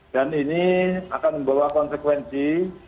dan ini akan membawa konsekuensi